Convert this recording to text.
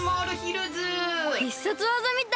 必殺技みたい！